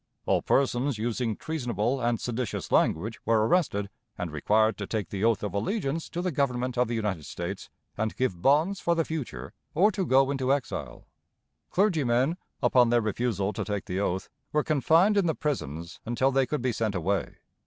All persons using "treasonable and seditious" language were arrested and required to take the oath of allegiance to the Government of the United States, and give bonds for the future, or to go into exile. Clergymen, upon their refusal to take the oath, were confined in the prisons until they could be sent away.